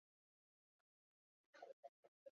郝氏鼠耳蝠为蝙蝠科鼠耳蝠属的动物。